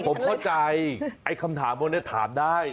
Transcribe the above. ผมเข้าใจไอ้คำถามพวกนี้ถามได้